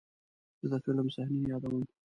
زه د فلم صحنې یادوم.